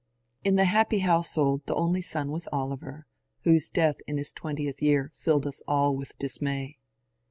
In the happy household the only son was Oliver, whose death in his twentieth year filled us all with dismay.